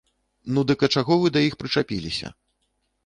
Ну, дык а чаго вы да іх прычапіліся?